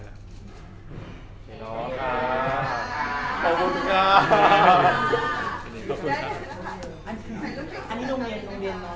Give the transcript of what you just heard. ขอบคุณค่ะ